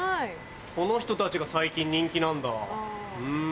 この人たちが最近人気なんだふん。